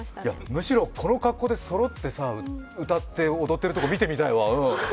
むしろこの格好でそろって踊って歌っているところを見てみたいわ。